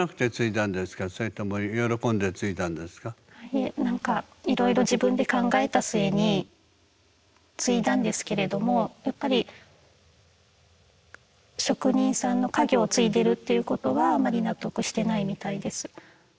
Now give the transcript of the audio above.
いえなんかいろいろ自分で考えた末に継いだんですけれどもやっぱり職人さんの家業を継いでるということはあんまり納得してないみたいです。